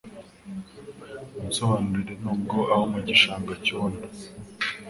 Munsobanurire nubwo abo mu gishanga cyondo